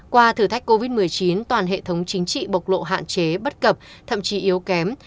qua thử thách covid một mươi chín toàn hệ thống chính trị bộc lộ hạn chế bất cập thậm chí yếu kém